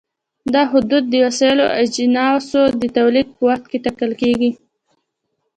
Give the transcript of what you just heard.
دا حدود د وسایلو او اجناسو د تولید په وخت کې ټاکل کېږي.